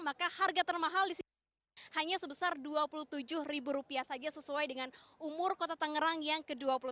maka harga termahal di sini hanya sebesar rp dua puluh tujuh saja sesuai dengan umur kota tangerang yang ke dua puluh tiga